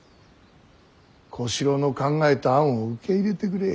小四郎の考えた案を受け入れてくれ。